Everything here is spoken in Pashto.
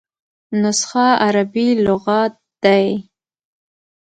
نسخه عربي لغت دﺉ.